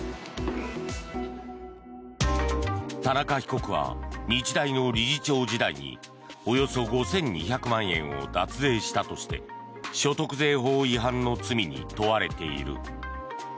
田中被告は日大の理事長時代におよそ５２００万円を脱税したとして所得税法違反の罪に問われている。